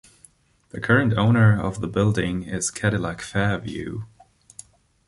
The current owner of the building is Cadillac Fairview.